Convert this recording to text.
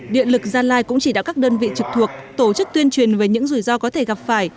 điện lực gia lai cũng chỉ đạo các đơn vị trực thuộc tổ chức tuyên truyền về những rủi ro có thể gặp phải